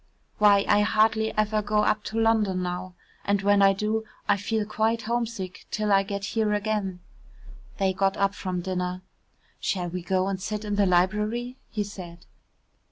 Why, I hardly ever go up to London now, and when I do, I feel quite homesick till I get here again." They got up from dinner. "Shall we go and sit in the library?" he said.